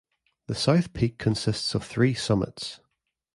The South peak consists of three summits.